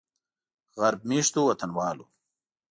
غرب میشتو وطنوالو